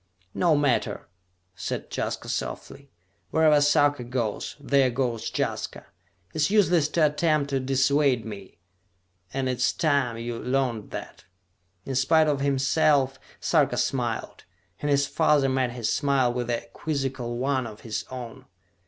"No matter," said Jaska softly, "wherever Sarka goes, there goes Jaska! It is useless to attempt to dissuade me, and it is time you learned that!" In spite of himself Sarka smiled, and his father met his smile with a quizzical one of his own.